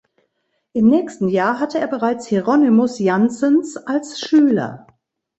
Im nächsten Jahr hatte er bereits Hieronymus Janssens als Schüler.